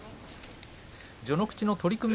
序ノ口の取組